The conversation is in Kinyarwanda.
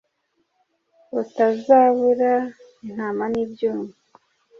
utazabura intama n’ibyuma